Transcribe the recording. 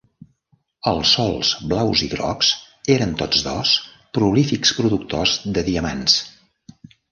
Els sòls blaus i grocs eren tots dos prolífics productors de diamants.